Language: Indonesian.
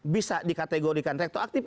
bisa dikategorikan retroaktif